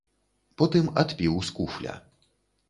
Потым адпіў з куфля.